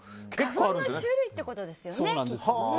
花粉の種類ってことですよね。